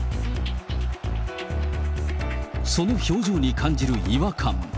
その表情に感じる違和感。